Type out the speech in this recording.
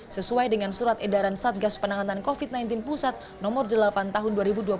sesuai dengan surat edaran satgas penanganan covid sembilan belas pusat no delapan tahun dua ribu dua puluh satu